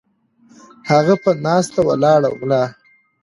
هغه پۀ ناسته ولاړه ملا